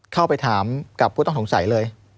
เข้าไปถามกับผู้ต้องสงสัยเลย